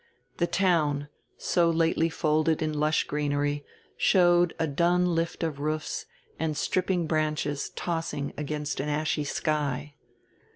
The town, so lately folded in lush greenery, showed a dun lift of roofs and stripping branches tossing against an ashy sky.